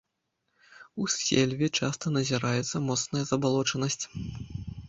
У сельве часта назіраецца моцная забалочанасць.